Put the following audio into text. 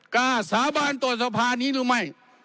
กล้าสาบานตัวสภานี้หรือไม่